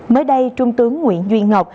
mới đây trung tướng nguyễn duy ngọc